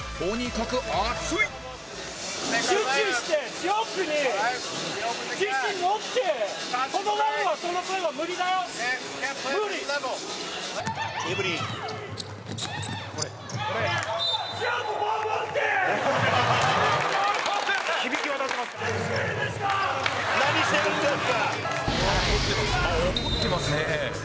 実況：怒ってますね。